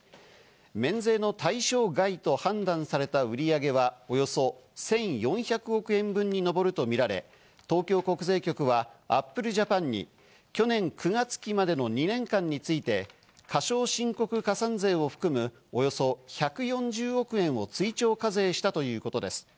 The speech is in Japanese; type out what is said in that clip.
免税の対象外と判断された売り上げはおよそ１４００億円分に上るとみられ、東京国税局はアップルジャパンに去年９月期までの２年間について過少申告加算税を含むおよそ１４０億円を追徴課税したということです。